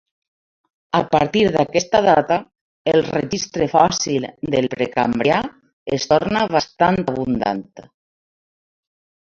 A partir d'aquesta data, el registre fòssil del precambrià es torna bastant abundant.